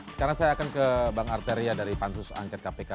sekarang saya akan ke bang arteria dari pansus angket kpk